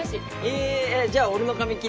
えじゃあ俺の髪切ってよ。